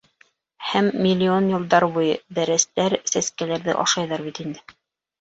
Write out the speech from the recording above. Һәм миллион йылдар буйы бәрәстәр сәскәлрҙе ашайҙар бит инде.